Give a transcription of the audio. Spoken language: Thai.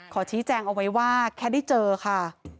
ขอชี้แจงเอาไว้ว่าแค่ได้เจอค่ะ